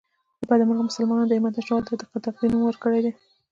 له بده مرغه مسلمانانو د همت نشتوالي ته د تقدیر نوم ورکړی دی